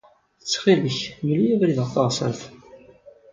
Ttxil-k, mel-iyi abrid ɣer teɣsert.